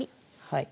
はい。